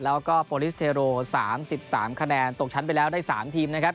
แล้วก็โปรลิสเทโร๓๓คะแนนตกชั้นไปแล้วได้๓ทีมนะครับ